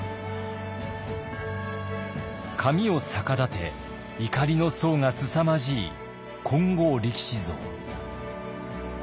髪を逆立て怒りの相がすさまじい金剛力士像。